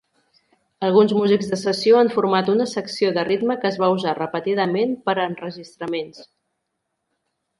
Alguns músics de sessió han format una secció de ritme que es va usar repetidament per a enregistraments.